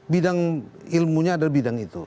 bidang ilmunya ada bidang itu